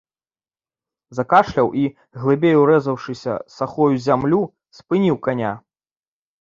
Закашляў і, глыбей урэзаўшыся сахой у зямлю, спыніў каня.